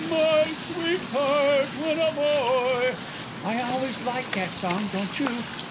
"My Sweetheart when a Bo oy!") I always like that song, don't you?